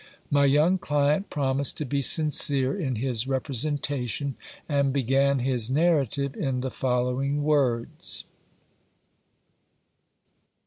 My young client promised to be sincere in his representation, and began his narrative in the following words.